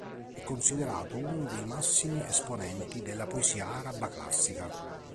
È considerato uno dei massimi esponenti della poesia araba classica.